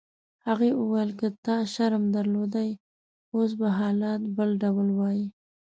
هغې وویل: که تا شرم درلودای اوس به حالات بل ډول وای.